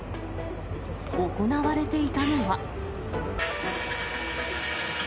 行われていたのは。